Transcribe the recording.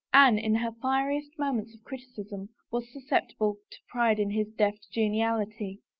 Anne, in her fieriest moments of criticism, was susceptible to pride in his deft geniality.